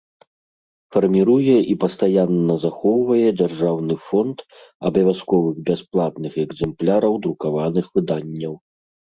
Фармiруе i пастаянна захоўвае дзяржаўны фонд абавязковых бясплатных экзэмпляраў друкаваных выданняў.